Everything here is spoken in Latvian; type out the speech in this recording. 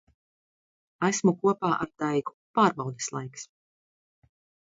Esmu kopā ar Daigu. Pārbaudes laiks.